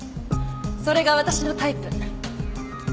それが私のタイプ。